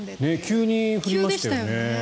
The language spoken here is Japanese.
急に降りましたよね。